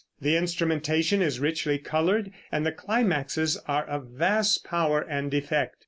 The instrumentation is richly colored and the climaxes are of vast power and effect.